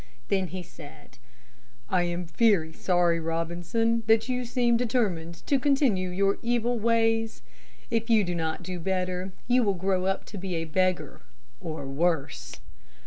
Then he said, "I am very sorry, Robinson, that you seem determined to continue your evil ways. If you do not do better you will grow up to be a beggar or worse."